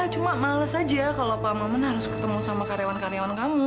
cuma males aja kalau pak momen harus ketemu sama karyawan karyawan kamu